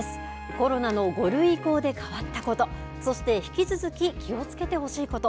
コロナの５類移行で変わったこと、そして引き続き気をつけてほしいこと。